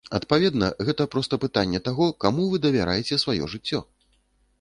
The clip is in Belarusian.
Адпаведна, гэта проста пытанне таго, каму вы давяраеце сваё жыццё.